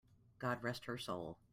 God rest her soul!